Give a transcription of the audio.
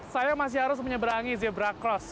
saya masih harus menyeberangi zebra cross